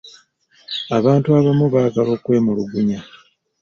Abantu abamu baagala okwemulugunya.